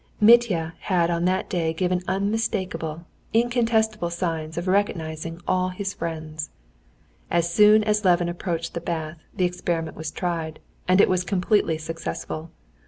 Mitya had on that day given unmistakable, incontestable signs of recognizing all his friends. As soon as Levin approached the bath, the experiment was tried, and it was completely successful.